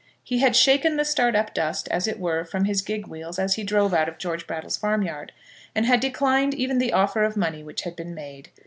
He had shaken the Startup dust, as it were, from his gig wheels as he drove out of George Brattle's farmyard, and had declined even the offer of money which had been made.